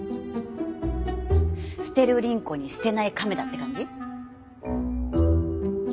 捨てる凛子に捨てない亀田って感じ？